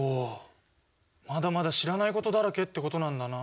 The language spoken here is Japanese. まだまだ知らないことだらけってことなんだなぁ。